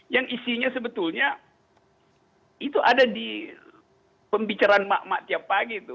yang isinya sebetulnya itu ada di pembicaraan mak mak tiap pagi itu